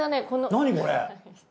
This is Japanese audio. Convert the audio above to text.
何これ？